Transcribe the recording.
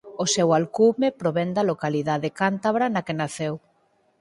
O seu alcume provén da localidade cántabra na que naceu.